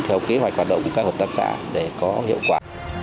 theo kế hoạch hoạt động của các hợp tác xã để có hiệu quả